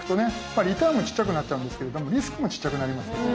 リターンもちっちゃくなっちゃうんですけれどもリスクもちっちゃくなりますよね。